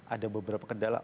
ada beberapa kendala